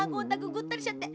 ぐったりしちゃって。